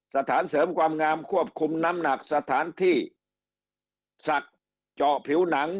สถานเสริมความงามควบคุมน้ำหนักสถานที่ศักดิ์เจาะผิวหนัง